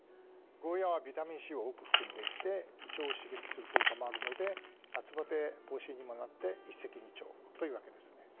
ゴーヤはビタミンＣを多く含んでいて胃腸を刺激する効果もあるので夏バテ防止にもなって一石二鳥というわけですね。